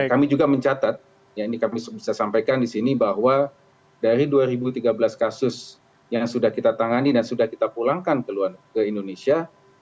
kami juga mencatat ini kami bisa sampaikan di sini bahwa dari dua ribu tiga belas kasus yang sudah kita tangani dan sudah kita pulangkan ke indonesia